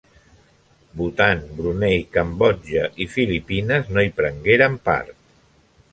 Bhutan, Brunei, Cambodja i Filipines no hi prengueren part.